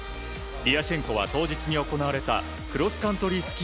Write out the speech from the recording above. リアシェンコは当日に行われたクロスカントリー